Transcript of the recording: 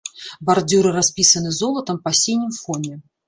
Бардзюры распісаны золатам па сінім фоне.